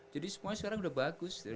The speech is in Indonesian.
jadi semuanya sekarang udah bagus